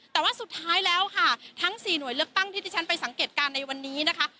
แต่ว่าสุดท้ายแล้วค่ะทั้ง๔หน่วยเลือกตั้งที่ที่ฉันไปสังเกตการณ์ในวันนี้นะคะ